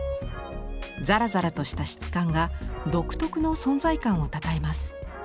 ざらざらとした質感が独特の存在感をたたえます。